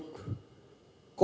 kau lihat gambar gambar itu pahlawan